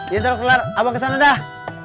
ya ntar abang kesana dah